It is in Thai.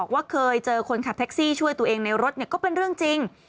ว่าเคยเจอคนขับแท็กซี่ช่วยตัวเองในรถก็เป็นเรื่องจริง